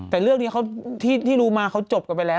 แต่เรื่องนี้ที่รู้มาเขาจบกันไปแล้ว